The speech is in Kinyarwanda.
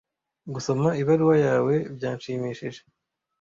Gusoma ibaruwa yawe byanshimishije.